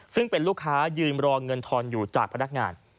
ซึ่งเป็นลูกค้ายืนรอเงินทอนอยู่จากพนักงาน